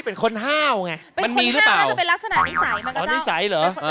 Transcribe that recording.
เป็นคนห้าวน่าจะเป็นลักษณะนิสัย